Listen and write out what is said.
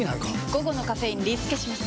午後のカフェインリスケします！